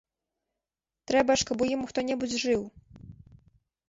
Трэба ж, каб у ім хто-небудзь жыў.